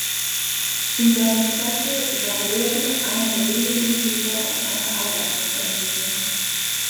In seiner Klasse war Rohde einer der wenigen Schüler aus einer Arbeiterfamilie.